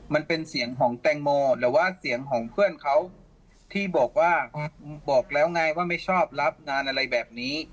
มันเป็นเสียงของแตงโมหรือว่าเสียงของเพื่อนเขาที่บอกว่าบอกแล้วไงว่าไม่ชอบรับงานอะไรแบบนี้